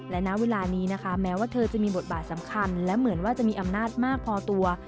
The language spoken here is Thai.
และณเวลานี้นะคะแม้ว่าเธอจะมีบทบาทสำคัญและเหมือนว่าจะมีอำนาจมากพอตัว